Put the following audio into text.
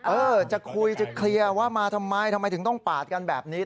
เออจะคุยจะเคลียร์ว่ามาทำไมทำไมถึงต้องปาดกันแบบนี้